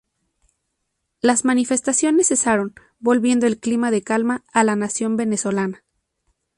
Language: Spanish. Las manifestaciones cesaron, volviendo el clima de calma a la nación venezolana.